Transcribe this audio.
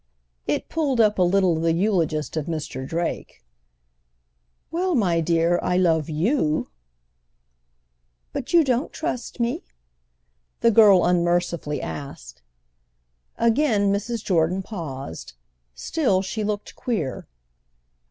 It pulled up a little the eulogist of Mr. Drake. "Well, my dear, I love you—" "But you don't trust me?" the girl unmercifully asked. Again Mrs. Jordan paused—still she looked queer.